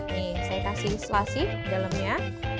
nih saya kasih selasi di dalamnya